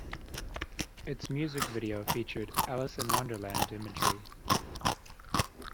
Its music video featured "Alice in Wonderland" imagery.